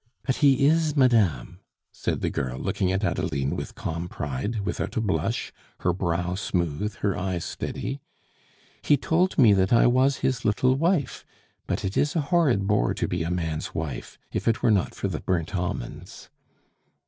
"But he is, madame," said the girl, looking at Adeline with calm pride, without a blush, her brow smooth, her eyes steady. "He told me that I was his little wife; but it is a horrid bore to be a man's wife if it were not for the burnt almonds!"